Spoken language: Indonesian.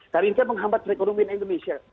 karena ini kan menghambat perekonomian indonesia